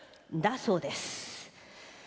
だそうです。